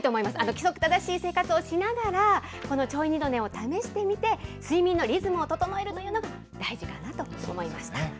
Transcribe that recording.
規則正しい生活をしながら、このちょい二度寝を試してみて、睡眠のリズムを整えるというのが大事かなと思いました。